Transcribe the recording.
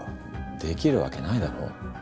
できるわけないだろ。